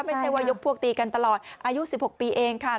ไม่ใช่ว่ายกพวกตีกันตลอดอายุ๑๖ปีเองค่ะ